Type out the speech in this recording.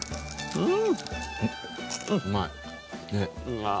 うん